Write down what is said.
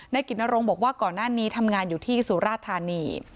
กิจนรงค์บอกว่าก่อนหน้านี้ทำงานอยู่ที่สุราธานี